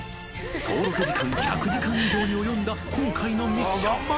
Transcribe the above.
［総ロケ時間１００時間以上に及んだ今回のミッション］